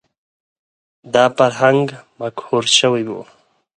دا فرهنګ مقهور شوی و